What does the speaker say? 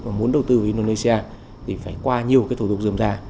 mà muốn đầu tư với indonesia thì phải qua nhiều cái thủ tục dường ra